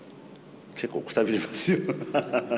結構くたびれますよ。